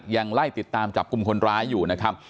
ยังไล่ติดตามจับกลุ่มคนร้ายอยู่นะครับ